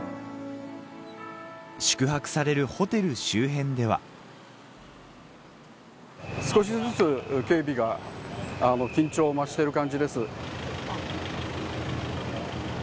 宿泊されるホテル周辺では少しずつ警備が緊張を増してる感じです。